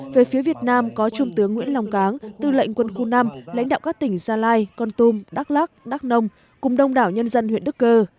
về phía việt nam có trung tướng nguyễn lòng cán tư lệnh quân khu năm lãnh đạo các tỉnh gia lai con tum đắk lắc đắk nông cùng đông đảo nhân dân huyện đức cơ